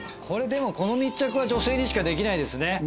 これでもこの密着は女性にしかできないですね。